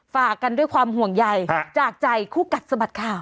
ฝากกันด้วยความห่วงใยจากใจคู่กัดสะบัดข่าว